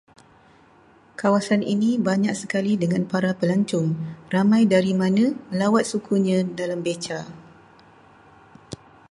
Kawasan ini banyak sekali dengan para pelancong, ramai dari mana melawat sukunya dalam beca